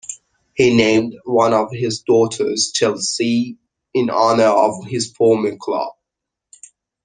He named one of his daughters "Chelsea" in honour of his former club.